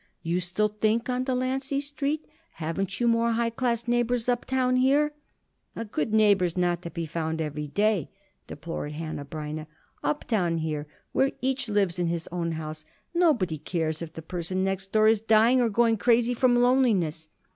"You still think on Delancey Street? Haven't you more high class neighbors up town here?" "A good neighbor is not to be found every day," deplored Hanneh Breineh. "Up town here, where each lives in his own house, nobody cares if the person next door is dying or going crazy from loneliness.